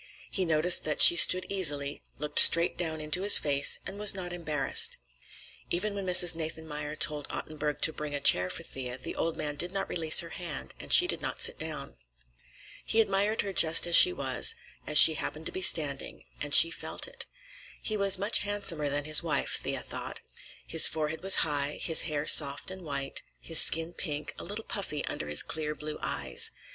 He noticed that she stood easily, looked straight down into his face, and was not embarrassed. Even when Mrs. Nathanmeyer told Ottenburg to bring a chair for Thea, the old man did not release her hand, and she did not sit down. He admired her just as she was, as she happened to be standing, and she felt it. He was much handsomer than his wife, Thea thought. His forehead was high, his hair soft and white, his skin pink, a little puffy under his clear blue eyes.